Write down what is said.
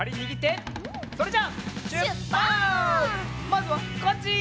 まずはこっち！